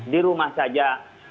di rumah saja